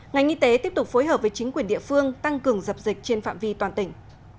ngành y tế tiếp tục phối hợp với chính quyền địa phương tăng cường dập dịch trên phạm vi toàn tỉnh